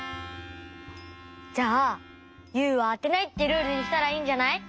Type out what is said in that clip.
じゃあ「ユウはあてない」ってルールにしたらいいんじゃない？